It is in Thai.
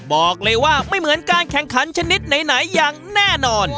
บอกเลยว่าไม่เหมือนการแข่งขันชนิดไหนอย่างแน่นอน